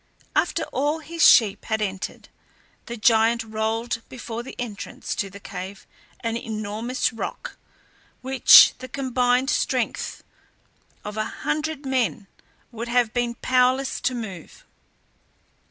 After all his sheep had entered, the giant rolled before the entrance to the cave an enormous rock, which the combined strength of a hundred men would have been powerless to move.